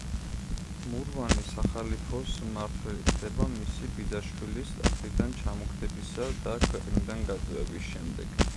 მურვანი სახალიფოს მმართველი ხდება მისი ბიძაშვილის ტახტიდან ჩამოგდებისა და ქვეყნიდან გაძევების შემდეგ.